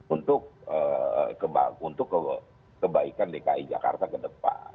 untuk kebaikan dki jakarta ke depan